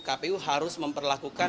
kpu harus memperlakukan